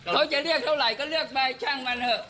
เขาจะเรียกเท่าไหร่ก็เลือกไปช่างมันเถอะ